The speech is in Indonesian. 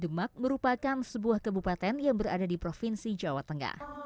demak merupakan sebuah kebupaten yang berada di provinsi jawa tengah